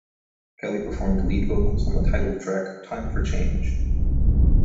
Kelly performed lead vocals on the titled-track "Time for Change".